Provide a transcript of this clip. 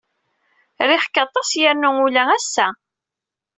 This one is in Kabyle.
Riɣ-k aṭas yernu ula ass-a.